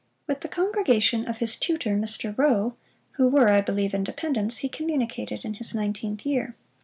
With the congregation of his tutor Mr. Rowe, who were, I believe, independents, he communicated in his nineteenth year.